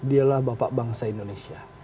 dialah bapak bangsa indonesia